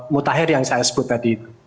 mutakhir yang saya sebut tadi itu